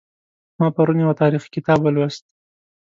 ما پرون یو تاریخي کتاب ولوست